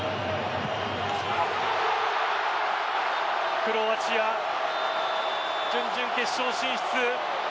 クロアチア、準々決勝進出。